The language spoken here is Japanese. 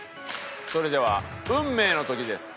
それでは運命の時です。